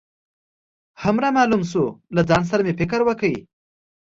هم رامعلوم شو، له ځان سره مې فکر وکړ.